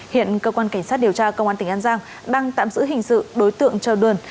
hiện cơ quan cảnh sát điều tra công an tỉnh an giang đang tạm giữ hình sự đối tượng trầu đườn